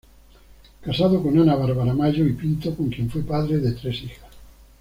Casado con Ana Bárbara Mayo y Pinto, con quien fue padre de tres hijas.